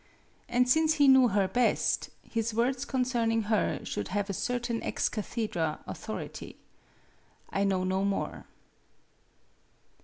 And since he knew her best, his words con cerning her should have a certain ex cathedra authority. I know no more.